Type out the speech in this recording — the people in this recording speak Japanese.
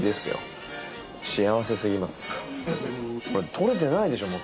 取れてないでしょ元。